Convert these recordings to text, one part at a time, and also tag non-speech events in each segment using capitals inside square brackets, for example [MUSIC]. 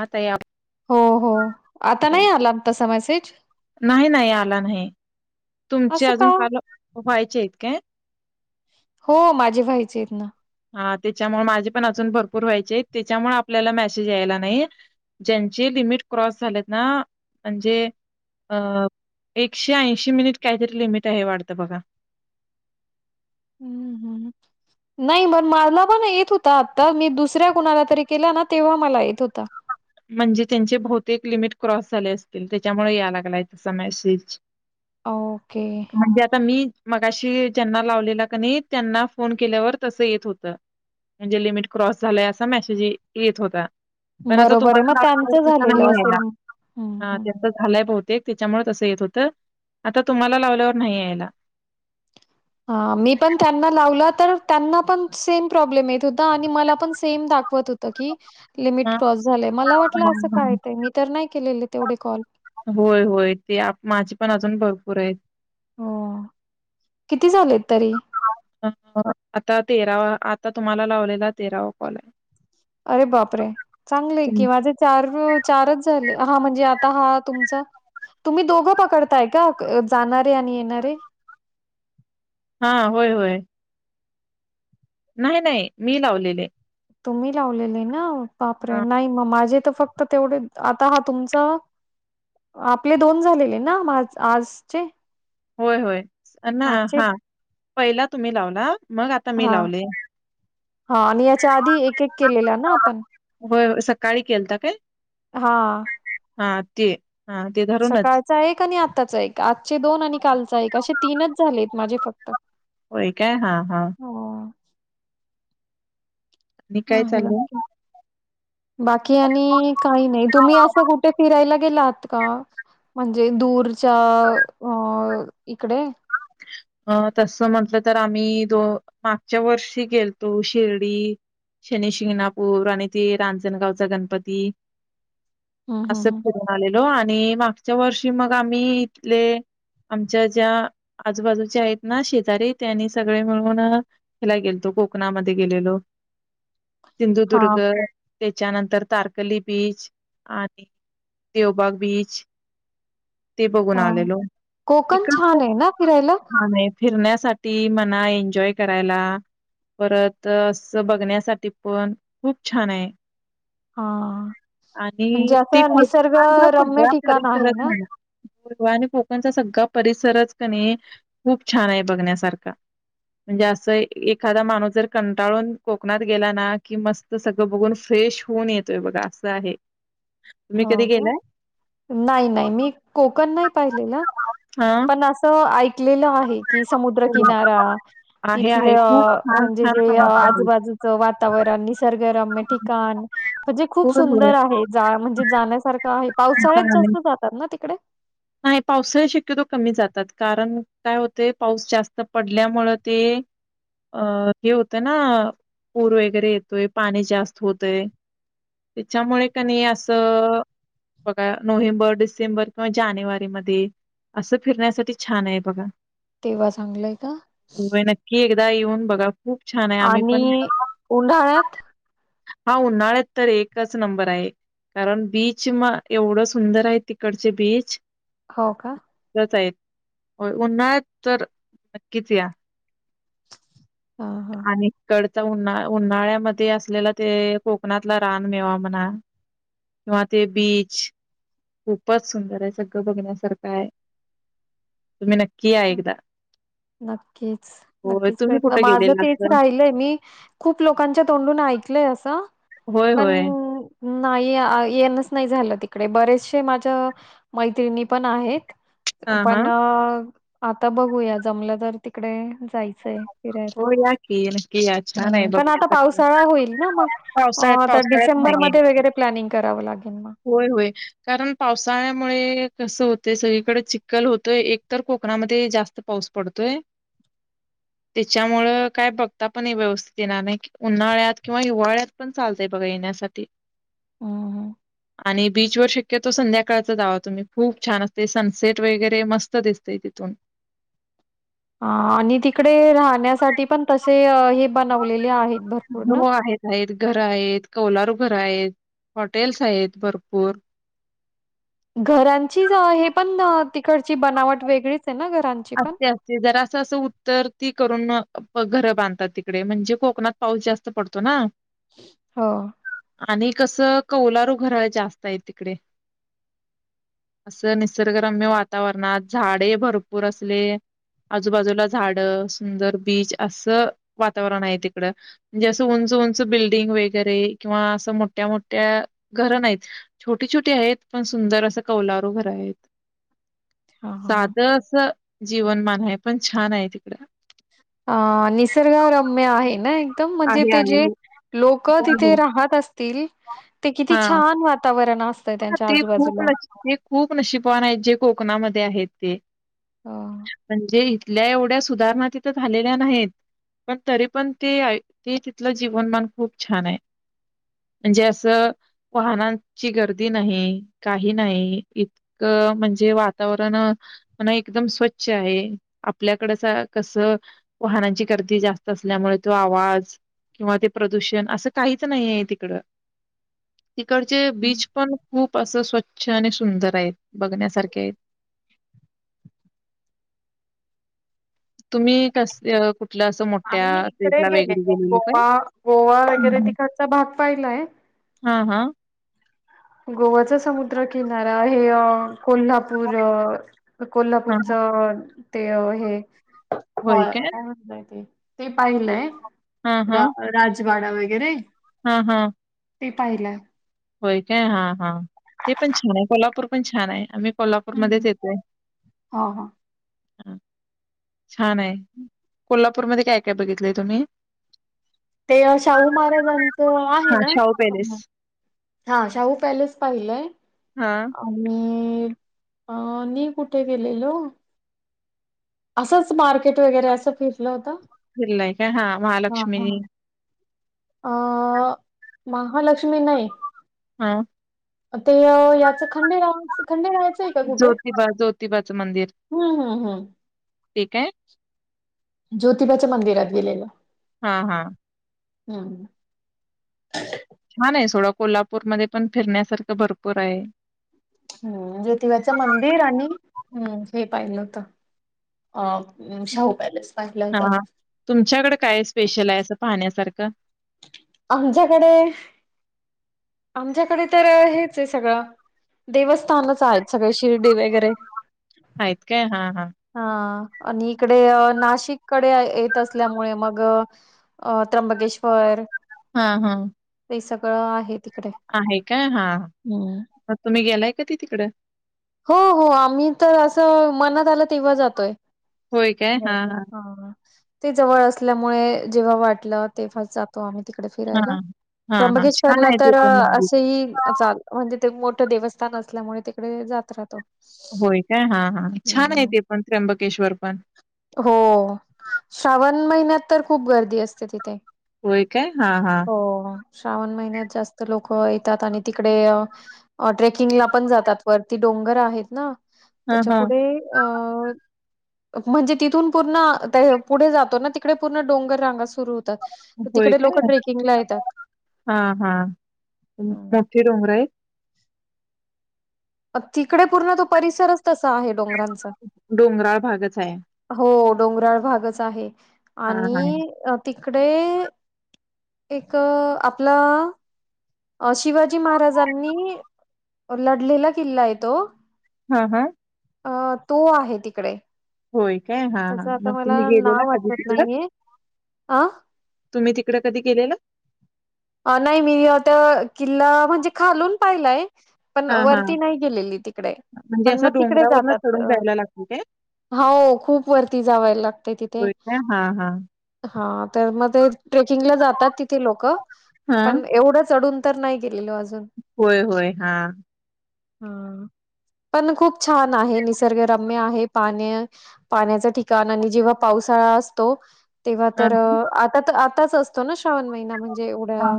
आता या हो हो आता नाही आला तसा मेसेज. [INAUDIBLE] नाही नाही, आला नाही. तुमची असं का? अजून कॉल व्हायचेत काय? हो माझे व्हायचे आहेत ना त्याच्यामुळे माझे पण अजून भरपूर व्हायचेत. त्याच्यामुळे आपल्याला मेसेज यायला नाही ज्यांचे लिमिट क्रॉस झाले ना म्हणजे एकशे ऐशी मिनिट काहीतरी लिमिट आहे वाटत बघा हम्म हम् नाही मण मला पण येत होता आता मी दुसऱ्या कुणाला तरी केला ना तेव्हा मला येत होता. म्हणजे त्यांचे बहुतेक लिमिट क्रॉस झाले असतील त्याच्यामुळे या लागलाय तसा मेसेज ओके. म्हणजे आता मी मगाशी ज्यांना लावलेला क नाही त्यांना फोन केल्यावर तसं येत होतं म्हणजे लिमिट क्रॉस झालंय असा मेसेज येत होता पण आता बरोबर आहे मग त्यांचं झालेलं असेल मग. हं, हा हं. त्याचा झालय बहु ते त्याच्यामुळे तसं येत होत, आता तुम्हाला लावल्यावर नाही यायला. ह मी पण त्यांना लावला तर त्यांना पण सेम प्रॉब्लेम येत होता आणि मला पण सेम दाखवत होत की लिमिट हा. क्रॉस झालंय मला वाटलं असं का येतय, मी तर नाही केलेले तेवढे कॉल होय होय ते माझे पण अजून भरपूर आहेत हो किती झालेत तरी अ आता तेरावा, आता तुम्हाला लावलेला तेरावा कॉल आहे. अरे बापरे, चांगलय तुम की माझे चार चारच झाले, हा म्हणजे आता हा तुमचा, तुम्ही दोघं पकडताय का जाणारे आणि येणारे? हा होय होय नाही नाही, मी लावलेले तुम्ही लावलेले ना बापरे, हा नाही मग माझे तर फक्त तेवढे. आता हा तुमचा, आपले दोन झालेले ना मा आजचे? होय होय ना आजचे हा पहिला तुम्ही लावला मग आता मी हा लावले हा आणि याच्या आधी एक एक केलेलं ना आपण. होय होय सकाळी केलता काय? हा. हा ते हा ते धरूनच सकाळचा एक आणि आताचा एक, आजचे दोन आणि कालचा एक असे तीनच झालेत माझे फक्त. होय काय? हा हा. हो, आणि काय आहे वाटतं. चाललंय? बाकी आणि काही नाही तुम्ही असं कुठे फिरायला गेलातं का म्हणजे दूरच्या अ इकडे? अं तस म्हंटलं तर आम्ही दो मागच्या वर्षी गेलतो शिर्डी शनी शिंगणापूर आणि ते रांजणगावचा गणपती. हं, अस हं, हं. फिरून आलेलो. हॅलो आणि मागच्या वर्षी मग आम्ही इथले आमच्या ज्या आजूबाजूचे आहेत ना शेजारी ते नी सगळे मिळून ह्यला गेलतो, कोकणामध्ये गेलेलो. हां, सिंधुदुर्ग, त्याच्यानंतर तारकली बीच आणि देवबाग बीच, ते बघून हा, आलेलो. कोकण तिकड छान खूप आहे ना? फिरायला. छान आहे फिरण्यासाठी म्हणा, एन्जॉय करायला, परत असं बघण्यासाठी पण खूप छान आहे. हा आणि म्हणजे ते असं निसर्ग कोकणचा रम्य सगळा ठिकाण आहे परिसरच ना? म्हणा गोवा आणि कोकणचा सगळा परिसरच कनई खूप छान आहे बघण्यासारखा, म्हणजे असं एखादा माणूस जर कंटाळून कोकणात गेला ना कि मस्त सगळं बघून फ्रेश होऊन येतोय बघा असं आहे. तुम्ही कधी हो का, गेलाय नाही नाही, मी कोकण नाही पाहिलेलं हा पण अस क आईक कलेलं आहे कि, हो. समुद्रकिनारा आहे आहे खूप तिथलं छान म्हणजे छान जे समुद्र आहे आजूबाजूच वातावरण सर्गरम्य ठिकाण म्हणजे खूप होय होय सुंदर आहे जा म्हण जाण्यासारखं आहे, पावसाळ्यात जास्त जातात ना तिकडे? नाही पावसाळ्यात शक्यतो कमी जातात. कारण काय होतय पाऊस जास्त पडल्यामुळे ते अ हे होतं ना, पूर वगैरे येतोय, पाणी जास्त होतय, त्याच्यामुळे क नई असं बघा नोव्हेंबर डिसेंबर किंवा जानेवारी मधी असं फिरण्यासाठी छान आहे बघा. तेव्हा चांगलंय का? दा येऊन बघा. खूप छान आहे. आम्ही आणि पण उन्हाळ्यात? हा उन्हाळ्यात तर एकच नंबर आहे, कारण बीच म एवढं सुंदर आहे तिकडचे बीच ह हो का उन्हाळ्यात तर नक्कीच या हा हा आणि कड उन्हा उन्हाळ्यामध्ये असलेला ते कोकणातला रान मेवा म्हणा किंवा ते बीच खूपच सुंदर आहे सगळं बघण्यासारखं आहे तुम्ही नक्की या एकदा. नक्कीच होय नक्कीच तुम्ही प्रयत्न कुठे माझं गेलेला तेच असाल? राहिलय मी खूप लोकांच्या तोंडून ऐकलय असं होय पण होय नाही येणच नाही नाही झालं तिकडे बरेचशे माझ्या मैत्रिणी पण आहेत हा हा. पण आता बघूया जमलं तर तिकडे जायचंय फिरायला हो या की नक्की या छान आहे पण आता बघण्यासारखं. पावसाळा होईल ना मग पावसाळ्यात आता पावसाळ्यात नाही डिसेंबरमध्ये वगैरे प्लॅनिंग करावं लागेल मग होय होय कारण पावसाळ्यामुळे कसं होतय सगळीकडे चिक्कल होतोय एक तर कोकणामध्ये जास्त पाऊस पडतोय त्याच्यामुळं काय बघता पण हे व्यवस्थित येणार नाही उन्हाळ्यात किंवा हिवाळ्यात पण चालतय बघा येण्यासाठी हम्म हम् आणि बीचवर शक्यतो संध्याकाळच जावा तुम्ही खूप छान असते सनसेट वगैरे मस्त दिसते तिथून ह आणि तिकडे राहण्यासाठी पण तसे हे बनवलेले आहेत भरपूर ना. हो आहेत आहेत घर आहेत कौलारू घर आहेत हॉटेल्स आहेत भरपूर घरांची अ, हे पण अ, तिकडची बनावट वेगळीच आहे ना घरांची पण असते असते जरा असं असं उत्तर ती करून घरं बांधतात तिकडे म्हणजे कोकणात पाऊस जास्त पडतो ना हो आणि कसं कौलारू घर जास्त आहे तिकडे असं निसर्गरम्य वातावरणात झाडे भर पूर असले आजूबाजूला झाड सुंदर बीच असं वातावरण आहे तिकडं म्हणजे असं उंच उंच बिल्डिंग वगैरे किंवा असं मोठ्या मोठ्या घरं नाहीत छोटी छोटी आहेत पण सुंदर असं कौलारू घर आहेत हा हा साध जीवनमान आहे पण छान आहे तिकड अ निसर्ग रम्य आहे ना एकदम म्हणजे आहे ते आहे जे हो. लोक हो तिथे हो. राहत असतील ते किती हा छान वातावरण असतंय त्यांच्या ते खूप आजूबाजूला नशी ते खूप नशीबन आहेत जे कोकणामध्ये आहेत ते हा म्हणजे तिथल्या एवढ्या सुधारणा तिथं झालेल्या नाहीत पण तरी पण ते ते तिथलं जीवनमान खूप छान आहे म्हणजे असं वाहनांची गर्दी नाही काही नाही इतकं म्हणजे वातावरण म्हण एकदम स्वच्छ आहे आपल्याकडच कसं वाहनांची गर्दी जास्त असल्यामुळे तो आवाज किंवा ते प्रदूषण असं काहीच नाही आहे तिकडं तिकडचे हम्म. बीच पण खूप असं स्वच्छ आणि सुंदर आहेत बघण्यासारखे आहेत तुम्ही कसे कुठ आम्ही इकडे गेलेलो काय? गोवा गोवा वगैरे हं, हं. तिकडचा भाग पाहिलाय. हां, हां. गोवचा समुद्र किनारा हे ह. कोल्हापूर हां, हां. कोल्हापूरच- ते हे हो काय नाही ते. ते पाहिलंय राज वाडा वगैरे हम हम ते पाहिलंय. होय काय हा हा ते पण छान आहे कोल्हापूर पण छान आहे आम्ही- कोल्हापूरमध्ये हम्म. येतय. हा हा छान आहे कोल्हापूरमध्ये काय -काय बघितलंय तुम्ही ते शाहू महाराजांचं आहे हां, ना? शाहू पॅलेस. हा शाहू पॅलेस पाहिलंय हां, आणि- अ नी कुठे गेलेलो. असंच मार्केट वगैरे असं फिरलं होतं. फिरलाय. काय हा महालक्ष्मी. अ महालक्ष्मी नाही. हा ते याच खंडेरावाच खंडेरायाच आहे का कुठे? ज्योतिबा, ज्योतिबाचं हम्म- हम्म -हम्म ते काय ज्योतिबाच्या मंदिरात गेलेलो. हा हा हम्म छान आहे सोडा कोल्हापूरमध्ये पण फिरण्यासारखं भरपूर आहे. हम्म ज्योतिबाच मंदिर आणि हम्म- हे पाहिलं होत. ह हा तुमच्याकडे काय स्पेशल आहे असा पाहण्यासारखं. आमच्याकडे- आमच्याकडे तर हेच आहे सगळं देवस्थानच आहेत सगळे शिर्डी वगैरे. आहेत काय हा -हा. आणि इकडे नाशिककडे येत असल्यामुळे मग अ त्र्यंबकेश्वर. हा -हा ते सगळं आहे तिकडे. आहे काय? हा. हम्म म तुम्ही गेलाय कधी तिकड? हो हो आम्ही [UNINTELLIGIBLE] मनात आलं तेव्हा जातोय. होय काय? हां, [UNINTELLIGIBLE] हां. हा. हा. ते जवळ असल्यामुळे जेव्हा वाटलं तेव्हाच जातो आम्ही तिकडे फिरायला. हां. हां, हां. छान त्र्यंबकेश्वरला आहे ते तर पण मंदिर. असेही जातो. म्हणजे ते एक मोठं देवस्थान असल्यामुळे तिकडे जात राहतो. होय काय हा- हा छान आहे हम्म. ते पण त्र्यंबकेश्वर पण हो [INAUDIBLE] श्रावण महिन्यात तर खूप गर्दी असते तिथे होय काय. हा- हा हो. श्रावण महिन्यात जास्त लोक येतात. आणि तिकडे- ट्रेकिंगला पण जातात वरती डोंगर आहेत ना हां, त्याच्या हां. पुुढे अ.. म्हणजे तिथून पूर्ण ताई पुढे जातो ना तिकडे पूर्ण डोंगर रांगा सुरू होतात. सुरू होतात मग तिकडे लोक [INAUDIBLE] ट्रेकिंगला येतात. हा हा. हम्म. मोठी डोंगर हाइत तिकडे पूर्ण तो परिसरच तसा आहे. डोंगरांचा. डोंगराळ भागच आहे. हो डोंगराळ भागच आहे हा हा आणि अ तिकडे तिकडे एक आपला अ शिवाजी महाराजांनी लढलेला किल्ला आहे तो. ह. हा अ तो आहे तिकडे. होय काय हा -हा त्याचं आता मग मला तुम्ही गेलेला नाव कधी [INAUDIBLE] आठवत तिकडं? नाहीये. अ तुम्ही तिकडं कधी गेलेला. नाही मी ते किल्ला म्हणजे खालून पाहिलाय. पण हा हा वरती नाही गेलेले तिकडे म्हणजे पण मग असं तिकडे डोंगरावरन जातात. चढून हा. जायला लागते काय हो खूप वरती जाव लागते तिथे. होय काय हा हा हा... तर म ते ट्रेकिंगला जातात तिथे लोक?. हा पण एवढं चढून मी तर नाही गेलेलो अजून होय, होय, हा. ह. पण खूप छान आहे, निसर्गरम्य आहे, पाण्या-पाण्याच ठिकाण आणि जेव्हा पावसाळा असतो तेव्हा हा तर आता तर आता- आताच असतो ना, श्रावण महिना- म्हणजे एवढ्या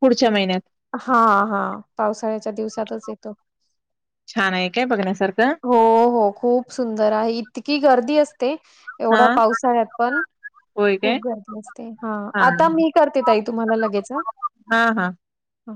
पुढच्या महिन्यात. हा हा पावसाळ्याच्या दिवसातच येतो. छान आहे काय बघण्यासारखं हो, हो, खूप सुंदर आहे, इतकी गर्दी अस हा एवढ्या पावसाळ्यात पण होय खूप काय गर्दी असते, हा आता मी करते ता तुम्हाला लगेच. हा हा ह.